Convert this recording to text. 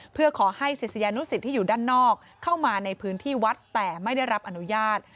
เพื่อขอให้ศิษยานุสิตที่อยู่ด้านนอกเข้ามาในพื้นที่วัดแต่ไม่ได้รับอนุญาต